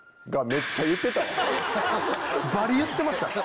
バリ言ってました。